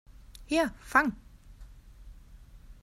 Hier, fang!